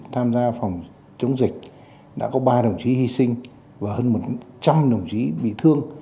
tham gia phòng chống dịch đã có ba đồng chí hy sinh và hơn một trăm linh đồng chí bị thương